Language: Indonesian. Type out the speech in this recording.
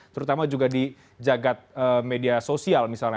terutama juga di jagad media sosial misalnya